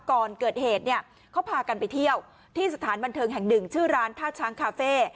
ก่อนเกิดเหตุเนี่ยเขาพากันไปเที่ยวที่สถานบันเทิงแห่งหนึ่งชื่อร้านท่าช้างคาเฟ่